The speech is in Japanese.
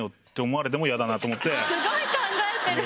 スゴい考えてる！